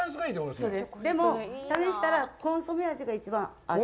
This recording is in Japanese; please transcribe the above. でも試したら、コンソメ味が一番。